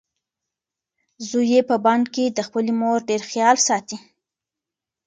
زوی یې په بن کې د خپلې مور ډېر خیال ساتي.